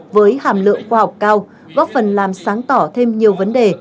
với hàm lượng khoa học cao góp phần làm sáng tỏ thêm nhiều vấn đề